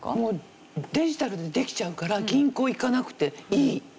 デジタルでできちゃうから銀行行かなくていい。